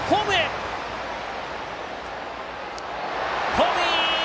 ホームイン！